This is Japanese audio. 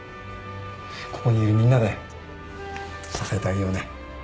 ここにいるみんなで支えてあげようね。